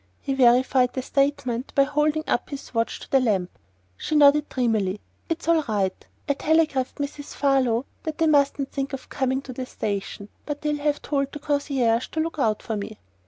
He verified the statement by holding up his watch to the lamp. She nodded dreamily. "It's all right. I telegraphed Mrs. Farlow that they mustn't think of coming to the station; but they'll have told the concierge to look out for me."